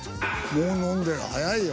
もう飲んでる早いよ。